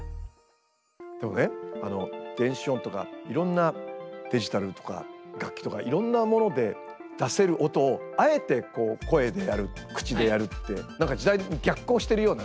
でもね電子音とかいろんなデジタルとか楽器とかいろんなもので出せる音をあえて声でやる口でやるって何か時代に逆行してるようなね。